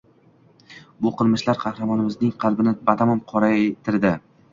– bu qilmishlar qahramonimizning qalbini batamom qoraytirdi